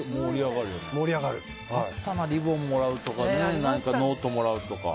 あったな、リボンもらうとかノートをもらうとか。